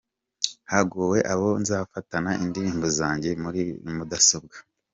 Hagowe abo nzafatana indirimbo zanjye muri mudasobwa